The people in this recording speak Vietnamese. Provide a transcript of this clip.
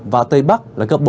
và tây bắc là cấp bốn